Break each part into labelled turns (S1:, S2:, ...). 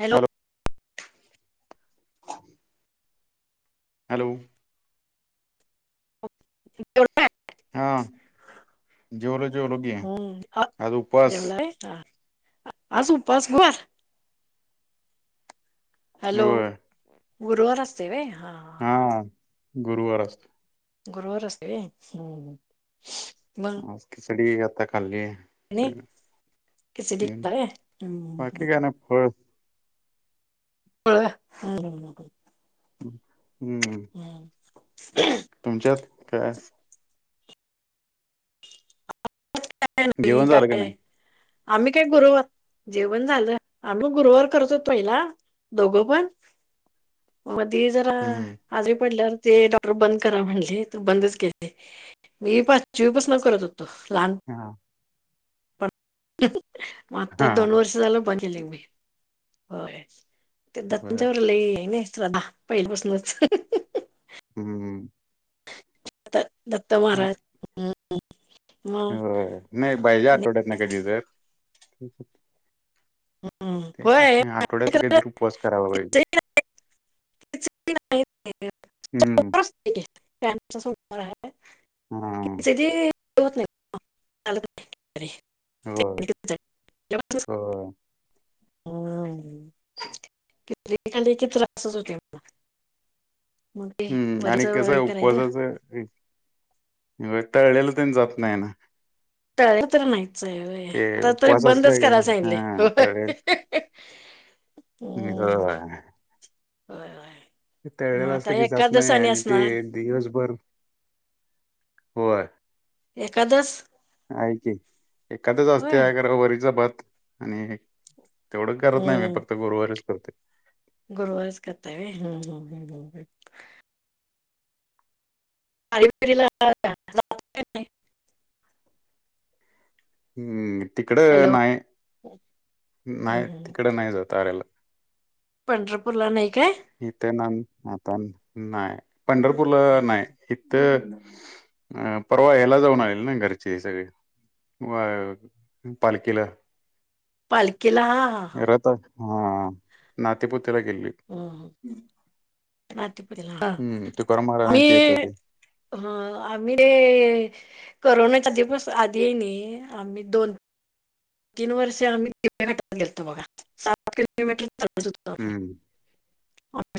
S1: Hello
S2: hello
S1: जेवला
S2: हा जेवल जेवल मया
S1: हम्म
S2: आज उपास
S1: जेवला होय हा आज उपास बा हॅलो
S2: होय
S1: गुरवार असतो वय हा
S2: हा गुरुवार असतो.
S1: गुरवार असते हम्म. मग
S2: आज खिचडी आता खाली.
S1: आणि खिचडी केला होय
S2: [inaudible]
S1: हम्म
S2: बाकी काय ना फळ.
S1: [inaudible]
S2: हम्म.
S1: [inaudible]
S2: तुमच्यात काय?
S1: काय नाही
S2: जेवण झालं का
S1: काय
S2: नाही
S1: आम्ही काय गुरव जेवण झालं आम्ही गुरुवार करतो पहिला दोघं पण. मध्ये जरा
S2: हम्म
S1: आजरी पडल्यावर ते ड डॉक्टर बंद करा म्हंटले तर बंदच केले मी पाचवीपासन करत होतो लहान
S2: हा.
S1: पण आता
S2: हा
S1: दोन वर्ष झालं बंद केलाय मी होय. ते द [unintelligible]
S2: बर
S1: त्यांच्यावर लई आहे ना श्रद्धा पहिलीपासूनच.
S2: हम्म हम्म.
S1: दत्त
S2: हा,
S1: महाराज हम्म म.
S2: होय नाही पाहिजे आठवड्यात ना कधी तर.
S1: होय
S2: ते आठवड्यात कधीतरी उपास करावा व्हाय. हम्म. हा
S1: [inaudible] [inaudible]
S2: हो.
S1: [inaudible]
S2: हो
S1: [inaudible] मग ते
S2: हम्म आणि
S1: वरीच
S2: कसं
S1: हे
S2: आहे
S1: करायचं
S2: उपवासाच टळलेलं त जात नाही ना.
S1: तळलेले तर नाहीचय
S2: ते
S1: आता तरी
S2: उपवास असले
S1: बंदच करायचं सांगितलं
S2: हा तळेल
S1: होय. हम्म
S2: [inaudible]
S1: होय होय.
S2: ते
S1: मग
S2: तळलेलं
S1: आता
S2: असलं की जात
S1: एकादस
S2: नाही आणि ते
S1: असणार
S2: दिवसभर होय.
S1: एकादश.
S2: आहे की एकादस असते वरीचा भात आणि तेवढं करत नाही मी फक्त गुरुवारीच करतो.
S1: गुरवारच करता व्हाय हम्म हम्म हम्म. [inaudible]
S2: हम्म तिकडं
S1: हॅलो
S2: नाही नाही
S1: हम्म
S2: तिकडं नाही जात आऱ्याला.
S1: [inaudible] काय
S2: इथे ना आता नाही पंढरपूर नाही. इथथ अ परवा यायला जाऊन आलेल ना घरची हे सगळे पालखीला.
S1: पालखीला हा. हा
S2: ख आता हा नातेपुतेला गेली.
S1: [inaudible] ह
S2: हम्म, तुकाराम महाराजांची येतं ते.
S1: आम्ही ते करोनाच्या दिवस आधी आहे नाही आम्ही दोन तीन वर्षे आम्ही घटात गेलतो बघा सात किलोमीटरचाल [unintelligible]
S2: हम्म.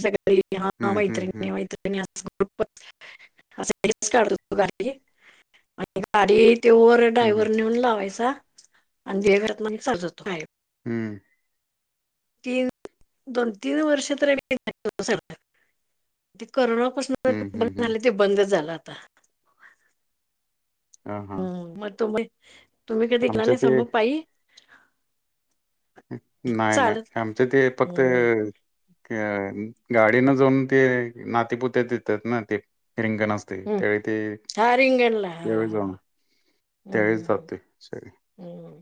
S1: सगळी हा
S2: हम्म, हम्म,
S1: मैत्रिणी
S2: हम्म,
S1: मैत्रीण बोलत होतो ते अस हेच काढतो तो गाडी.. आणि गाडी ते वर ड्रायव्हर
S2: हम्म,
S1: नेऊन लावायचा आणि देवघरात म सजवतो
S2: हम्म..
S1: ती दोन तीन वर्ष [inaudible] कोरोनापासून
S2: हम्म,
S1: बंद
S2: हम्म, हम्म.
S1: झालं ते बंदच झालं आता
S2: हां, हां.
S1: हम्म.. मग तुम तुम्ही कधि गेला
S2: आमचं
S1: नाहीसा
S2: ते
S1: मग पाई
S2: नाही नाही..
S1: चालत
S2: आमच ते फक्त
S1: हम्म
S2: गाडी न जाऊन ते नातेपुत्या येतात ना ते.. रि रिंगण असत
S1: हम्म
S2: त्यावेळी ते
S1: हा रिंगणला हा
S2: त्यावेळेस जाऊन
S1: हा
S2: त्यावेळेस
S1: हम्म
S2: जातोय सगळी
S1: हम्म..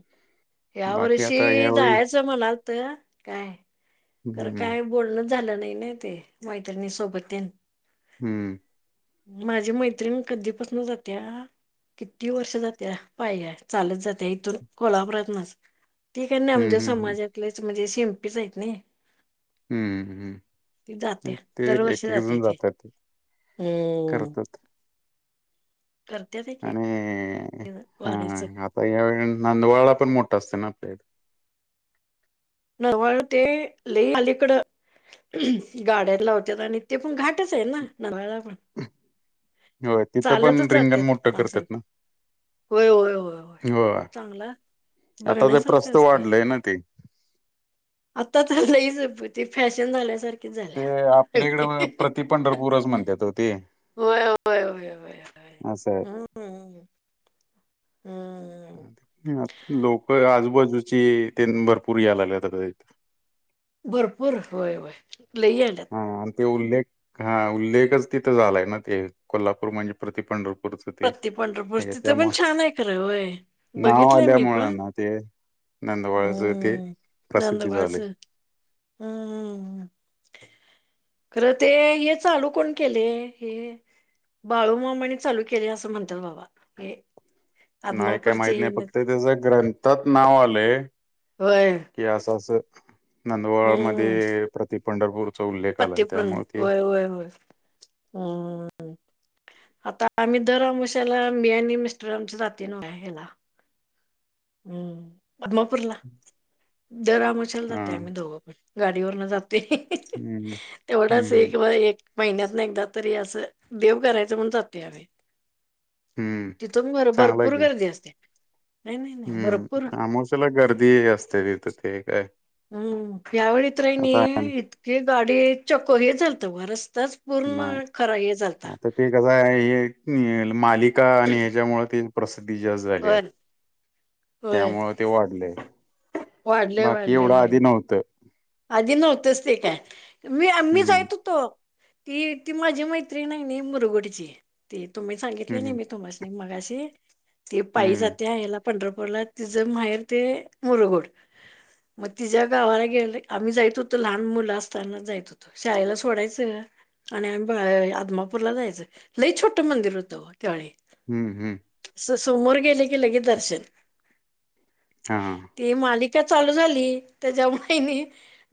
S1: या वर्षी जायच
S2: यावेळी
S1: जायचं म्हणालात काय?
S2: हं,
S1: खरं
S2: हं,
S1: काय बोलण झालं नाही ना ते.. मैत्रिणी सोबत तेन
S2: हम्म..
S1: माझी मैत्रिण कधीपासून जाते. किती वर्ष झालं जाते पायी चालत जाते. त्या इथून कोल्हापुरातूनच ते काय नाही
S2: हं,
S1: आमच्या
S2: हं,
S1: समाजातलेच म्हणजे शिंपीच आहेत नाही
S2: हम्म
S1: जाते
S2: हम्.. ते
S1: दरवर्षी
S2: एक एक
S1: जाते
S2: जण
S1: ती.
S2: जातात
S1: हम्म.
S2: करतात
S1: करत्यात की
S2: आणि हा
S1: वारीच
S2: आता यावेळी नंदवाळला पण मोठा असत ना आपल्या इथ
S1: नंदावाळ ते लय अलीकड गाड्या लावत्यात आणि ते पण घाटच आहे ना नंदावाळ पण
S2: होय तिथं पण
S1: चालतच
S2: रिंगण
S1: जात्यात
S2: मोठं
S1: माणस
S2: करतात ना
S1: होय होय होय होय.. चांगलय..
S2: आता ते
S1: बघण्यासारखं
S2: प्रस्त
S1: असते
S2: वाढलंय ना ते
S1: आता तर लयच.. अ ब फॅशन झाल्यासारखी
S2: ते आपल्या इकडे प्रति पंढरपूरच म्हणत्यात ओ ते
S1: होय होय होय होय...
S2: अस हाय
S1: हम्म हम्म.. हा ह..
S2: लोक आजूबाजूची तेन भरपूर याय लागल्यात आता तिथ
S1: भरपूर होय होय लई याल्यात
S2: हा आणि ते उल्लेख हा उल्लेखच तिथे झालाय ना ते कोल्हापूर म्हणजे प्रति पंढरपूर पुढच ते
S1: प्रत्ये पंढरपूर
S2: हे
S1: तिथं पण
S2: त्यामुळं
S1: छान आहे खरं होय
S2: नाव
S1: बघितलंय मी
S2: आल्यामुळे
S1: पण
S2: ना ते नंदवाळच तेे
S1: हम्म
S2: प्रसिद्ध
S1: नंदबाळच
S2: झाली.
S1: हम्म हम्म.. खरं ते हे चालू कोण केलय हे बाळूमामानी चालू केले असं म्हणतात बाबा हे
S2: नाही काय
S1: आदमापूरचे
S2: माहित
S1: हे
S2: नाही..
S1: न
S2: फक्त त्याचं ग्रंथात नाव आलंय
S1: होय..
S2: कि असं असं नंदवळ
S1: हम्म
S2: मध्ये प्रति पंढरपूरचा उल्लेख आलाय
S1: पत्तीपूर्ण
S2: त्यामुळे ते
S1: होय होय.. हम्म ह.. आता आम्ही दर आमवशाला मि आणि मिस्टर आमचे जातोय नव काय ह्याला हम्म आदमापूरला.. दर अमावशाला
S2: हा
S1: जातोय आम्ही दोघं पण गाडीवरन जाते.
S2: हम्म
S1: तेवढच आहे
S2: हम्म
S1: बा एक महिन्यात ना एकदा तरी अस, देव करायच म्हणून जातोय आम्ही.
S2: हम्म
S1: तिथून वर
S2: चांगलं आहे
S1: भरपूर
S2: की
S1: गर्दी असते. नाही नाही नाही
S2: हम्म,
S1: भरपूर
S2: अमोशेला गर्दी असते तिथ. ते काय
S1: हम्म, यावेेळी तर हाय नी
S2: आता
S1: इतकीे गाडी चक हे झालत व रस्ताच
S2: नाही,
S1: पूर्ण खरा हे झालता.
S2: आता ते कस आहे, हे मालिका आणि ह्याच्यामूळ ते प्रसिद्धी जास्त झाल्या.
S1: होय होय
S2: त्यामुळ ते वाढलेय.
S1: वाढलय
S2: बाकी
S1: वाढलय
S2: एवढ
S1: लय
S2: आधी नव्हत.
S1: आधी नव्हतच ते काय. मी आ मी
S2: हम्म
S1: जायत होतो. ती ती माझी मैत्रीण हाय नी मुरगुडची. ती तुम्ही सांगितली
S2: हम्म
S1: नाही मी तुम्हासनी. आणि मगाशी ती पायी
S2: हम्म
S1: जात्या ह्याला पंढरपूरला‌. तिच माहेर ते मुरगुड. मग तिच्या गावाला गेले आम्ही जायत होतो. लहान मुल असताना जायत होतो. शाळेला सोडायच आणि आम्ही बा आदमापूरला जायच. लई छोट मंदिर होत हो त्यावेळी.
S2: हम्म हम्म
S1: अस समोर गेल की लगे दर्शन.
S2: हा
S1: ती मालिका चालू झाली त्याच्यामुळे हेनी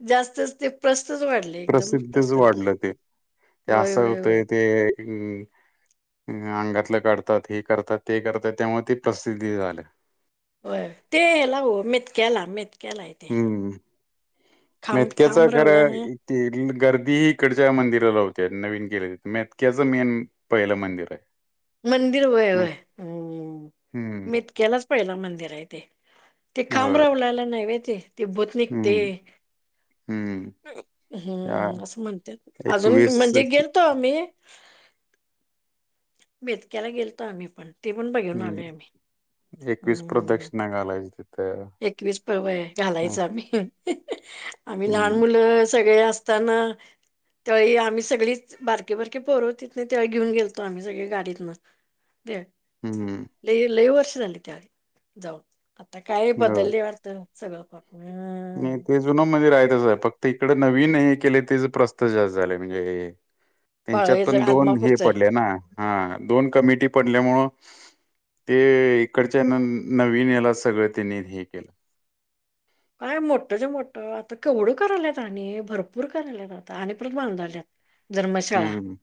S1: जास्तच ते प्रस्तच वाढल.
S2: प्रसिद्धच वाढल ते. ते
S1: होय
S2: अस
S1: होय होय
S2: होतय ते अ अंगातल काढतात. हे करतात. ते करतात. त्यामुळे ते प्रसिद्धी झाल.
S1: ते हेला ओ मेतक्याला मेत क्याला हाय ते.
S2: हम्म.
S1: खांब
S2: मेतक्याचा
S1: खांब रोवला
S2: खरं
S1: ना
S2: ते गर्दी इकडच्या मंदिराला होते नवीन केलेल्या. मेतक्याच मेन पहिल मंदिर आहे.
S1: मंदिर होय
S2: मेत
S1: होय,
S2: हम्म
S1: मेतक्यालाच पहिला मंदिर आहे ते. ते खांब
S2: होय.
S1: रवलेला नाही व्हय ते. ते भूत निघते.
S2: हम्म हम्म. त्या
S1: हम्म अस म्हणत्यात. अजून
S2: एकवीस
S1: म्हणजे
S2: ते
S1: गेलतो आम्ही मेतक्याला गेलतो आम्ही पण. ते पण बघून
S2: हम्म
S1: आलोय आम्ही.
S2: सांगालाईस तिथ.
S1: इथलीच पवई घालायचो आम्ही. आम्ही लहान
S2: हम्म
S1: मुल अ सगळे असताना त्या वेळी आम्ही सगळीच बारकीे बारकीे पोर होतीत ना, त्यावेळी घेऊन गेलतो आम्ही सगळे गाडीतन.
S2: हम्म
S1: लय लय वर्ष झालीत तेला जाऊन. आता काय काय
S2: हो.
S1: बदलले वाटत सगळ प
S2: नाही ते जुने मंदिर आहे तस. फक्त इकडे नवीन हे केले त्याचे प्रस्थ जास्त झालय. म्हणजे हे त्यांच्यात
S1: बाळ
S2: पण दोन हे
S1: आदमापूरचं
S2: पडले ना. हा दोन कमिटी पडल्यामुळ ते इकडच्या न नवीन याला सगळ त्यांनी हे केल.
S1: काय मोठ जे मोठ, आता केवढ करायलात. आणि भरपूर करायलात आता. आणि परत बांधाल्यात. धर्मशाळा
S2: हम्म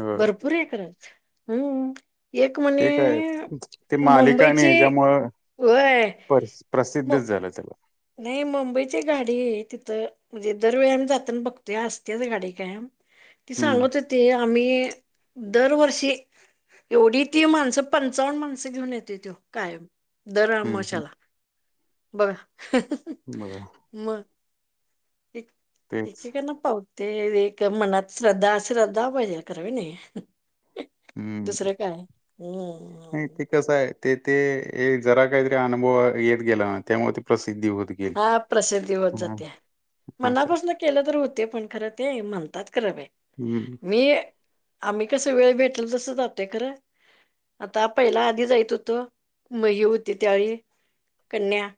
S2: हो
S1: भरपूर एकरात हम्म एक म्हणे
S2: ते काय ते मालिका आणि
S1: मुंबईची
S2: ह्याच्यामुळं
S1: होय,
S2: परस-
S1: म
S2: प्रसिद्धच झालं त्याला
S1: नाही मुंबईची गाडी आहे तिथ. म्हणजे दरवेळेला आम्ही जातना बघतोय असतेच गाडी कायम. ती
S2: हम्म
S1: सांगत होती, आम्ही दरवर्षी एवढी ती माणस, पंचावन्न माणस घेऊन येतोय तो कायम. दर
S2: हम्म
S1: आमवस्येला बघा.
S2: बर
S1: मग, एक-
S2: तेच
S1: एकीकडन पाव ते मनात एक मनात श्रद्धा श्रद्धा पाहिजे होय नाही
S2: हम्म
S1: दुसरं काय हम्म
S2: कस हाय ते ते जरा काहीतरी अनुभव येत गेला ना त्यामुळे ते प्रसिद्धी होत गेली.
S1: हा प्रसिद्धी होत जात्या
S2: हा सर
S1: मनापासनं केलं तर होते पण खरं ते म्हणतात खरं बाई
S2: हम्म
S1: मी आम्ही कसं वेळ भेटल तसं जातोय खरं आता पहिला आधी जाईत हुतो म ही होती त्यावेळी कन्या.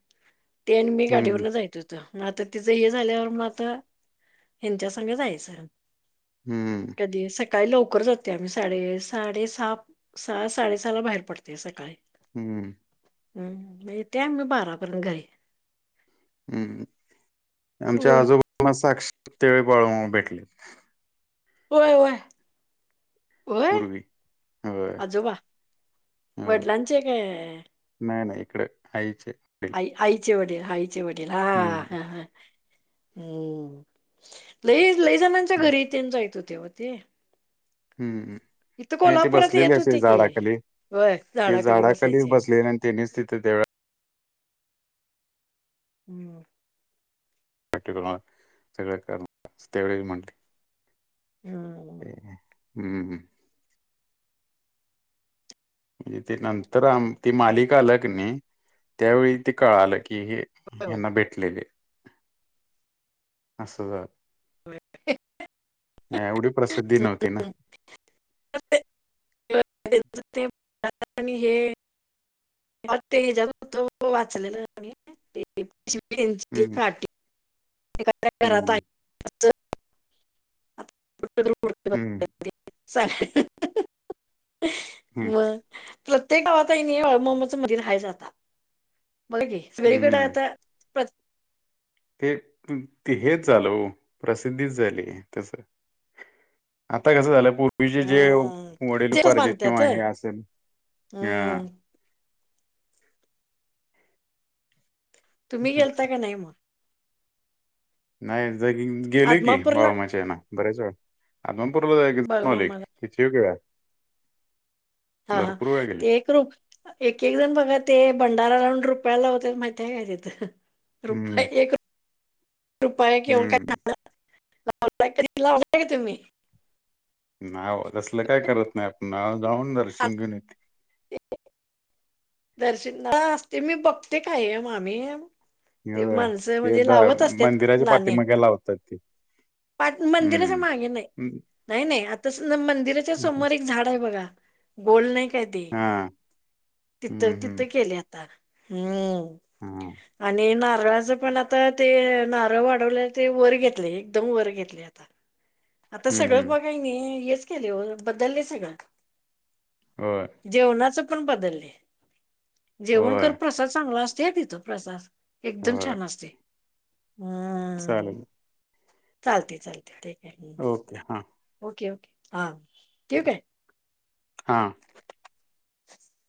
S1: ते आणि मी
S2: हम्म
S1: गाडीवरनं जाईत हो तो म आता तिचं हे झाल्यावर मग आता हेंच्या संग जायचं.
S2: हम्म
S1: कधी सकाळी सकाळी लवकर जातोय आम्ही साडे साडे सहा सहा साडेसहाला बाहेर पडतेय सकाळी.
S2: हम्म.
S1: हम्म येतोय आम्ही बारा पर्यंत घरी.
S2: हम्म
S1: व
S2: आमच्या आजोबांना साक्षात बाळूमामा भेटलेत.
S1: होय होय. होय
S2: पूर्वी होय
S1: आजोबा
S2: होय.
S1: वडलांचे काय?
S2: नाही नाही इकड आईचे वडील.
S1: आई आईचे वडील आईचे वडील हा
S2: हम्म
S1: हा हा हम्म. लई लईजनांच्या घरी तेन जाईत होते ओ ते.
S2: हम्म
S1: इथं
S2: आणि ते
S1: कोल्हापुरात
S2: बसलेले
S1: येत
S2: असे
S1: होते की
S2: झाडा खाली
S1: होय
S2: ते
S1: झाडाखाली
S2: झाडा खाली
S1: बसायचे
S2: बसले तेन्हीच तिथि त्या वेळेला
S1: मग
S2: [unintelligible] हम्,
S1: हम्म
S2: हम्म. म्हणजे ते नंतर आ ते मालिका आल्या कनी त्यावेळी ते कळालं की हे
S1: होय होय.
S2: हेंना भेटलेले अस झाल.
S1: [inaudible]
S2: नाही एवढी प्रसिद्धी नव्हती ना.
S1: [inaudible]
S2: हम्म
S1: [inaudible] [unintelligible] [inaudible]
S2: हम्म हम्म हम्म
S1: प्रत्येक गावात कणी बाळूमामाच मंदिर हायच आता बघा कि.
S2: हम्म.
S1: [inaudible]
S2: ते हेच झालं वो, प्रसिद्धीच झाली तस. आता कसं झालं पूर्वीचे जे
S1: हम्म तेच
S2: वडीलपार्जित
S1: बांधत्यात
S2: किंवा हे असेल, हा.
S1: हम्म तुम्ही गेलता का नाही मग.
S2: नाही जागी गेलोय की, बाळू
S1: आदमापूरला
S2: मामाच्याला बरेच वेळा, आदमापूर ला जाऊन आलोय.
S1: बाळूमामाला
S2: कित्येक वेळा.
S1: हा
S2: भरपूर वेळा गेले
S1: ते एकरूप. एक- एक जण बघा ते भंडारा घालून रुपया लावत्यात माहितीय हाय काय तिथं?
S2: हम्म हम्म
S1: [inaudible] [unintelligible] तुम्ही-
S2: नाव तसलं काय करत नाही आपण, नाव जाऊन दर्शन घेऊन.
S1: दर्शनला असते मी बघते कायम आम्ही- ते
S2: होय
S1: माणसं
S2: ते
S1: म्हणजे
S2: द
S1: लावत असतात
S2: मंदिराच्या
S1: नाणे.
S2: पाठीमागे लावतात ते
S1: पान मंदिराच्या
S2: हम्म
S1: मागे नाही,
S2: हम्म
S1: नाही नाही आता मंदिराच्या
S2: असं
S1: समोर एक झाड आहे बघा. गोल नाही काय ते
S2: हा
S1: तिथं
S2: हम्म हम्म
S1: तिथं केले आता हम्म.
S2: हा
S1: आणि नारळाचं पण आ- आता ते नारळ वाढवल्या ते वर घेतले, एकदम वर घेतले आता. आता
S2: हम्म
S1: सगळं
S2: हम्म
S1: पाक आहे कणी हेच केले हो बदलले सगळं.
S2: बरं
S1: जेवणाचं पण बदलले, जेवण खर
S2: होय
S1: प्रसाद चांगला असतोय तिथं प्रसाद. एकदम
S2: होय
S1: छान असते, हम्म
S2: चालेल
S1: चालते चालते. आहे
S2: ओके हा.
S1: ओके ओके हा ठीक आहे.
S2: हां.
S1: [inaudible]